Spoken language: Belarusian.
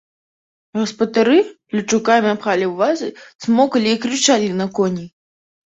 Гаспадары плечукамі пхалі ў вазы, цмокалі і крычалі на коней.